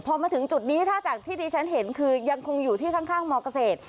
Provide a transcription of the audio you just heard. พอมาถึงจุดนี้ถ้าจากที่ที่ฉันเห็นคือยังคงอยู่ที่ข้างมเกษตร